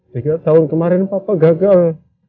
tiga tahun kemarin papa gagal